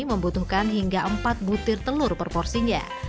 membutuhkan hingga empat butir telur per porsinya